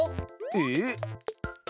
えっ？